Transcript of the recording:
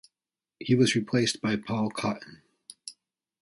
He was replaced by Paul Cotton.